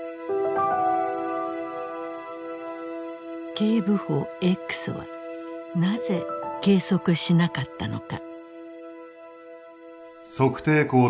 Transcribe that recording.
警部補Ｘはなぜ計測しなかったのか。